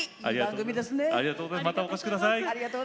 またお越し下さい。